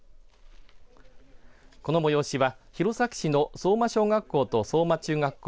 この催しは弘前市の相馬小学校と相馬中学校